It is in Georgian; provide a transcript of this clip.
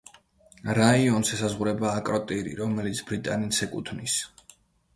რაიონს ესაზღვრება აკროტირი, რომელიც ბრიტანეთს ეკუთვნის.